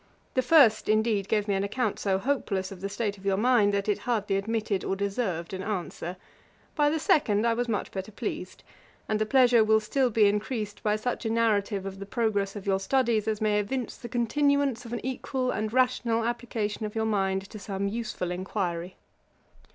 The first, indeed, gave me an account so hopeless of the state of your mind, that it hardly admitted or deserved an answer; by the second I was much better pleased: and the pleasure will still be increased by such a narrative of the progress of your studies, as may evince the continuance of an equal and rational application of your mind to some useful enquiry.